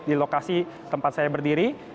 di lokasi tempat saya berdiri